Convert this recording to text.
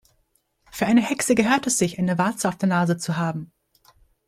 Für eine Hexe gehört es sich, eine Warze auf der Nase zu haben.